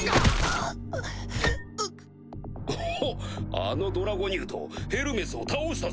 あのドラゴニュートヘルメスを倒したぞ！